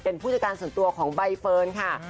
เป็นผู้จัดการส่วนตัวของใบเฟิร์นค่ะ